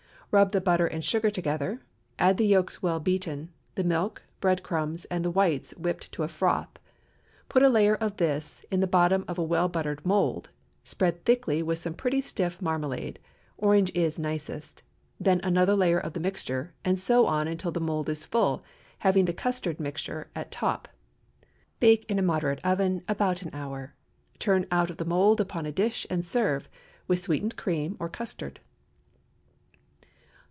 Rub the butter and sugar together; add the yolks well beaten, the milk, bread crumbs, and the whites whipped to a froth. Put a layer of this in the bottom of a well buttered mould, spread thickly with some pretty stiff marmalade—orange is nicest—then another layer of the mixture, and so on until the mould is full, having the custard mixture at top. Bake in a moderate oven about an hour, turn out of the mould upon a dish and serve, with sweetened cream or custard.